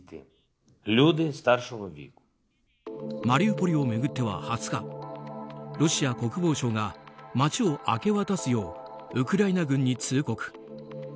マリウポリを巡っては、２０日ロシア国防省が街を明け渡すようウクライナ軍に通告。